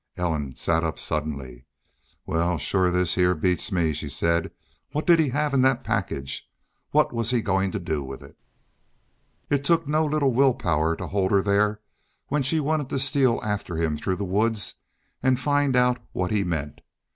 Ellen sat up suddenly. "Well, shore this heah beats me," she said. "What did he have in that package? What was he goin' to do with it?" It took no little will power to hold her there when she wanted to steal after him through the woods and find out what he meant.